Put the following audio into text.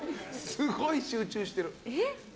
すごい集中してる。